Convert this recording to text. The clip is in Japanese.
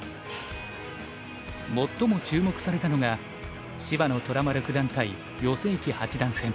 最も注目されたのが芝野虎丸九段対余正麒八段戦。